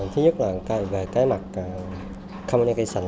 thứ nhất là về cái mặt communication